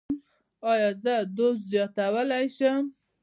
ایا زه دوز زیاتولی شم؟